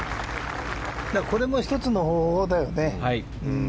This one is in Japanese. これも１つの方法だよね。